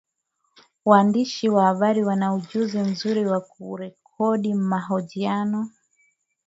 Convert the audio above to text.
waandishi wa habari wana ujuzi mzuri wa kurekodi mahojiano